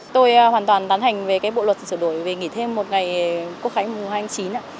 tôi hoàn toàn tán hành với bộ luật sửa đổi về nghỉ thêm một ngày quốc khánh mùng hai tháng chín